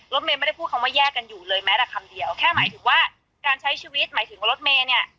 เมย์ไม่ได้พูดคำว่าแยกกันอยู่เลยแม้แต่คำเดียวแค่หมายถึงว่าการใช้ชีวิตหมายถึงว่ารถเมย์เนี่ย